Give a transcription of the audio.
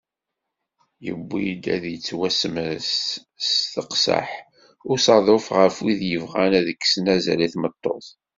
Yewwi-d ad yettwasemres s teqseḥ usaḍuf ɣef wid yebɣan ad kksen azal i tmeṭṭut.